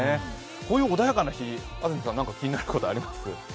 こういう穏やかな日、安住さん、何か気になることあります？